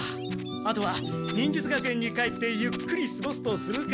あとは忍術学園に帰ってゆっくりすごすとするか。